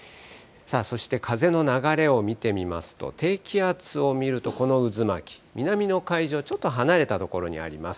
そして風の流れを見てみますと、低気圧を見ると、この渦巻、南の海上、ちょっと離れた所にあります。